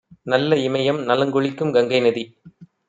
நல்ல இமயம், நலங்கொழிக்கும் கங்கைநதி